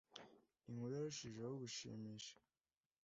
Inkuru yarushijeho gushimisha.